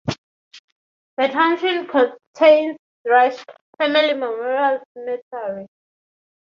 The township contains Dretsch Family Memorial Cemetery.